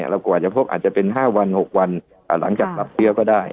แล้วกว่าจะพกอาจจะเป็น๕วัน๖วันหลังจากรับเชื้อก็ได้